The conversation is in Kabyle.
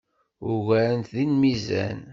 Ugarent-t deg lmizan.